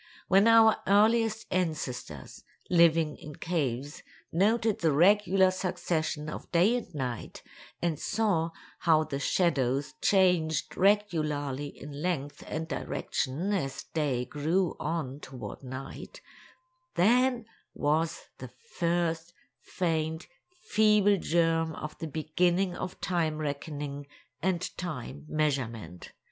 When our earliest ancestors, living in caves, noted the regular succession of day and night, and saw how the shadows changed regularly in length and direction as day grew on toward night, then was the first, faint, feeble germ of the beginning of time reckoning and time measurement.